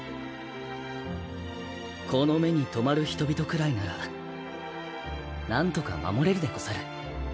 この目に留まる人々くらいなら何とか守れるでござる。